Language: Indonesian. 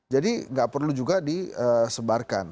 jadi tidak perlu juga disebarkan